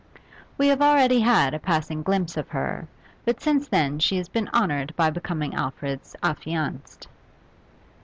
We have already had a passing glimpse of her, but since then she has been honoured by becoming Alfred's affianced.